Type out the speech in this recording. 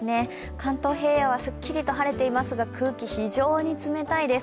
関東平野はすっきりと晴れていますが、空気、非常に冷たいです。